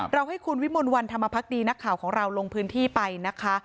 ให้คุณวิมลวันธรรมพักดีนักข่าวของเราลงพื้นที่ไปนะคะ